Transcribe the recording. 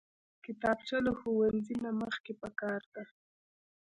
کتابچه له ښوونځي نه مخکې پکار ده